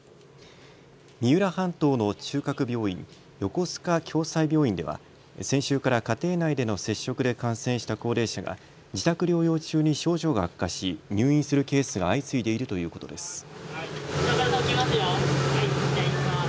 三浦半島の中核病院、横須賀共済病院では先週から家庭内での接触で感染した高齢者が自宅療養中に症状が悪化し入院するケースが相次いでいるということです。